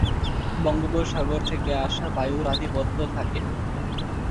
বঙ্গোপসাগর থেকে আসা বায়ুর আধিপত্য থাকে।